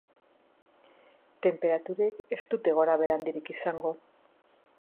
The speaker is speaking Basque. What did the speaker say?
Tenperaturek ez dute gorabehera handirik izango.